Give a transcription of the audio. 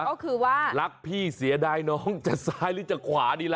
ก็คือว่ารักพี่เสียดายน้องจะซ้ายหรือจะขวาดีล่ะ